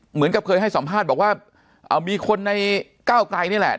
เหมือนกับเคยให้สัมภาษณ์บอกว่าเอามีคนในก้าวไกลนี่แหละ